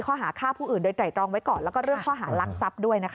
ข้อหาฆ่าผู้อื่นโดยไตรตรองไว้ก่อนแล้วก็เรื่องข้อหารักทรัพย์ด้วยนะคะ